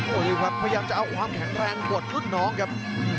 นี่ครับพยายามจะเอาความแข็งแรงบทรุ่นน้องครับ